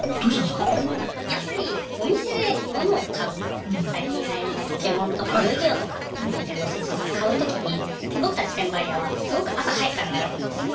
やっぱりお店で物を買う最近はやりのポケモンとか遊戯王とかニンテンドースイッチとか買うときに僕たち転売ヤーはすごく朝早くから並ぶんですよ。